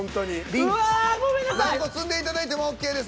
何個積んでいただいてもＯＫです。